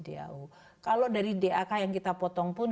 dau kalau dari dak yang kita potong pun